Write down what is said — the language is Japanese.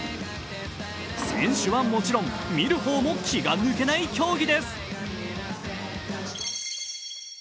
選手はもちろん、見る方も気が抜けない競技です。